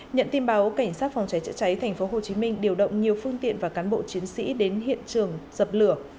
nhận tin báo cảnh sát phòng cháy chữa cháy thành phố hồ chí minh điều động nhiều phương tiện và cán bộ chiến sĩ đến hiện trường dập lửa